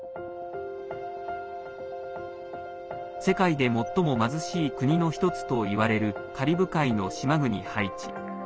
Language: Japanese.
世界で最も貧しい国の１つといわれるカリブ海の島国ハイチ。